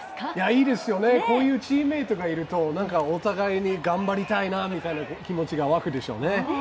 いいですよね、こういうチームメートがいると、なんかお互いに頑張りたい気持ちみたいなのが沸くでしょうね。